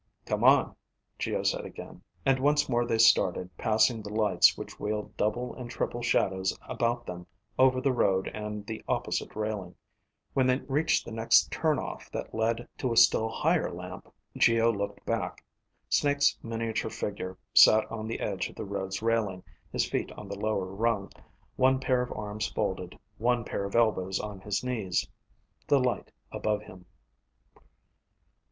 "Come on," Geo said again, and once more they started, passing the lights which wheeled double and triple shadows about them over the road and the opposite railing. When they reached the next turn off that led to a still higher ramp, Geo looked back. Snake's miniature figure sat on the edge of the road's railing, his feet on the lower rung, one pair of arms folded, one pair of elbows on his knees. The light above him.